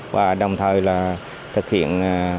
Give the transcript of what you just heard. và đồng thời là thực hiện